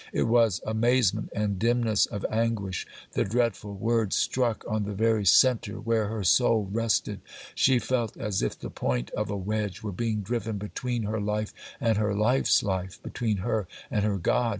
It was amazement and dimness of anguish; the dreadful words struck on the very centre where her soul rested. She felt as if the point of a wedge were being driven between her life and her life's life, between her and her God.